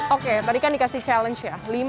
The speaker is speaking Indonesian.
oke tadi kan dikasih challenge ya